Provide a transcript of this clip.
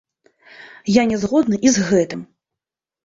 Я не згодны і з гэтым.